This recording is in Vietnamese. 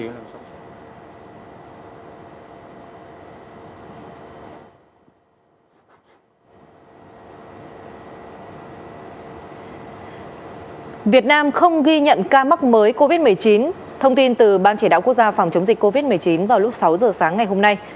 l một mươi bốn h ba mươi việt nam không ghi nhận ca mắc mới covid một mươi chín thông tin từ ban chỉ đảo quốc gia phòng chống dịch covid một mươi chín vào lúc sáu h sáng ngày hôm nay